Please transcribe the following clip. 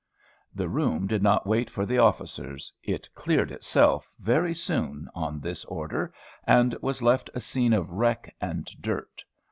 The room did not wait for the officers: it cleared itself very soon on this order, and was left a scene of wreck and dirt.